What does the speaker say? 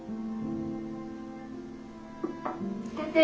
・先生